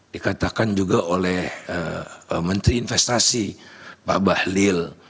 dikatakan juga oleh menteri investasi pak bahlil